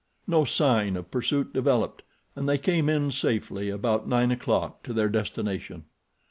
No sign of pursuit developed, and they came in safety about nine o'clock to their destination.